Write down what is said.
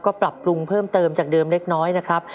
ก็ปรับปรุงเพิ่มเติมจากเดิมเล็กน้อยนะครับ